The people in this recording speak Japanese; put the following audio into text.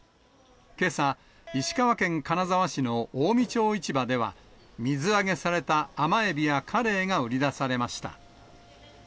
けさ、石川県金沢市の近江町市場では、水揚げされた甘エビやカレイが売り出されました。